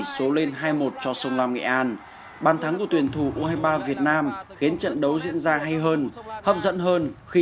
xin chào và hẹn gặp lại